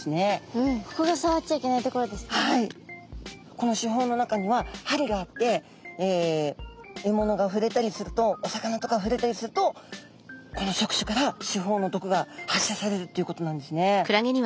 この刺胞の中には針があってえものがふれたりするとお魚とかふれたりするとこの触手から刺胞の毒が発射されるっていうことなんですね。